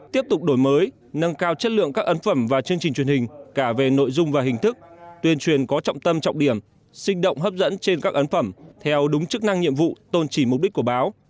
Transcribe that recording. tiếp tục đổi mới nâng cao chất lượng các ấn phẩm và chương trình truyền hình cả về nội dung và hình thức tuyên truyền có trọng tâm trọng điểm sinh động hấp dẫn trên các ấn phẩm theo đúng chức năng nhiệm vụ tôn trì mục đích của báo